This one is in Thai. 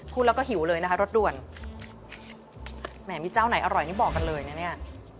พูดแล้วก็หิวเลยนะคะรสด่วนแหมมีเจ้าไหนอร่อยนี่บอกกันเลยนะเนี่ย